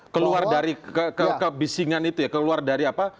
keluar dari kebisingan itu ya keluar dari apa